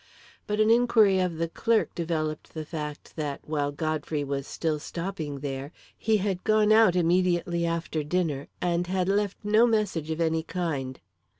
But an inquiry of the clerk developed the fact that, while Godfrey was still stopping there, he had gone out immediately after dinner, and had left no message of any kind.